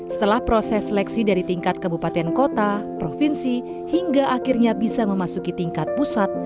setelah proses seleksi dari tingkat kebupaten kota provinsi hingga akhirnya bisa memasuki tingkat pusat